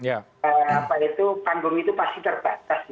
apa itu panggung itu pasti terbatas